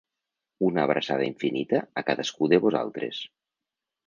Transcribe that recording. Una abraçada infinita a cadascú de vosaltres.